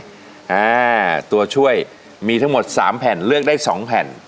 อ่าตัวช่วยมีทั้งหมดสามแผ่นเลือกได้สองแผ่น